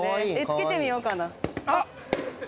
着けてみようかな。